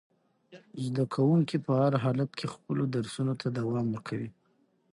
زده کوونکي په هر حالت کې خپلو درسونو ته دوام ورکوي.